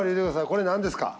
これ何ですか？